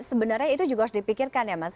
sebenarnya itu juga harus dipikirkan ya mas